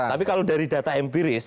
tapi kalau dari data empiris